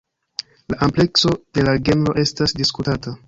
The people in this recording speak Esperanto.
La amplekso de la genro estas diskutata.